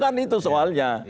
kan itu soalnya